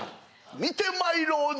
見てまいろうぞ。